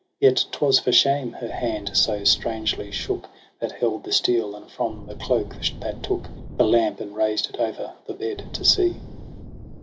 Yet 'twas for shame her hand so strangely shook That held the steel, and from the cloke that took The lamp, and raised it o'er the bed to see.